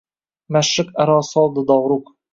Mashriq aro soldi dovruq